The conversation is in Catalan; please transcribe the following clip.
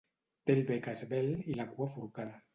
Té el bec esvelt i la cua forcada.